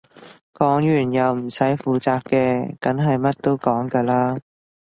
講完又唔使負責嘅梗係乜都講㗎啦